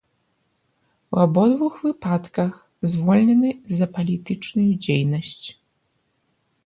У абодвух выпадках звольнены за палітычную дзейнасць.